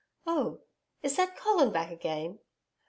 ... Oh! Is that Colin back again?'